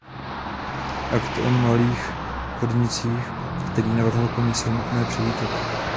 Akt o malých podnicích, který navrhla Komise, je nutné přivítat.